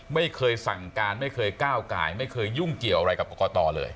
ไม่เคยสั่งการไม่เคยก้าวไก่ไม่เคยยุ่งเกี่ยวอะไรกับกรกตเลย